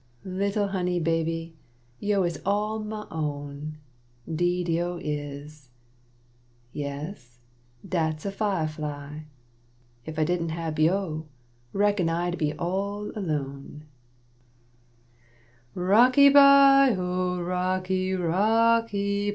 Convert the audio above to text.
Little honey baby, yo' is all ma own, Deed yo' is. Yes, dat's a fia fly; If I didn't hab yo' reckon I'd be all alone; (Rocky bye oh, rocky, rocky bye.)